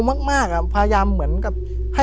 ผมก็ไม่เคยเห็นว่าคุณจะมาทำอะไรให้คุณหรือเปล่า